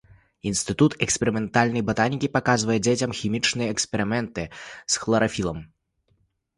Інстытут эксперыментальнай батанікі паказвае дзецям хімічныя эксперыменты з хларафілам.